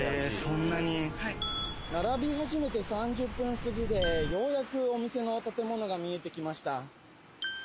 並び始めて３０分過ぎでようやくお店の建物が見えてきました。